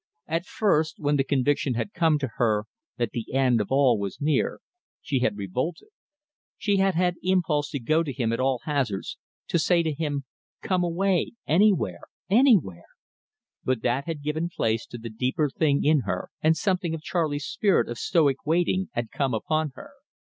At first, when the conviction had come to her that the end of all was near, she had revolted. She had had impulse to go to him at all hazards, to say to him: "Come away anywhere, anywhere!" But that had given place to the deeper thing in her, and something of Charley's spirit of stoic waiting had come upon her.